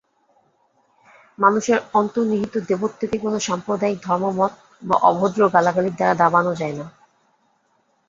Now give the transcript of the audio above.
মানুষের অন্তর্নিহিত দেবত্বকে কোন সাম্প্রদায়িক ধর্মমত বা অভদ্র গালাগালির দ্বারা দাবানো যায় না।